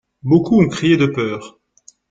Beaucoup ont crié de peur.